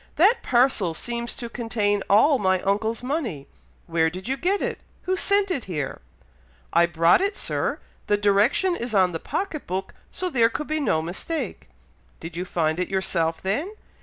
That parcel seems to contain all my uncle's money. Where did you get it? Who sent it here?" "I brought it, Sir! The direction is on the pocket book, so there could be no mistake." "Did you find it yourself then?"